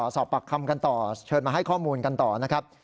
สอบปากคำกันต่อเชิญมาให้ข้อมูลกันต่อนะครับ